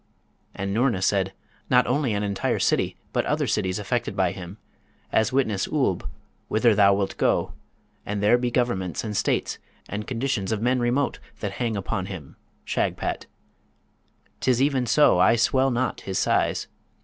And Noorna said, 'Not only an entire city, but other cities affected by him, as witness Oolb, whither thou wilt go; and there be governments and states, and conditions of men remote, that hang upon him, Shagpat. 'Tis even so; I swell not his size.